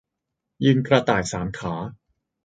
ยืนกระต่ายสามขา